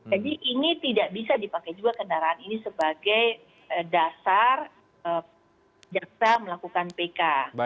jadi ini tidak bisa dipakai juga kendaraan ini sebagai dasar jakarta melakukan pk